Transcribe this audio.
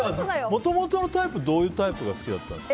もともとのタイプはどういうタイプが好きだったんですか。